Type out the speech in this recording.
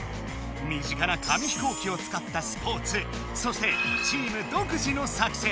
身近な紙飛行機をつかったスポーツそしてチーム独自の作戦。